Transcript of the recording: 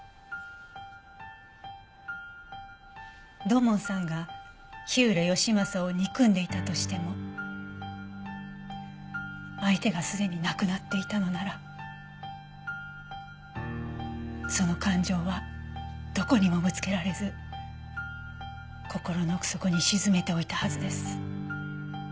土門さんが火浦義正を憎んでいたとしても相手がすでに亡くなっていたのならその感情はどこにもぶつけられず心の奥底に沈めておいたはずです。